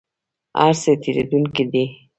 هر څه تیریدونکي دي؟